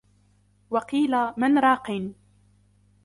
وَقِيلَ مَنْ رَاقٍ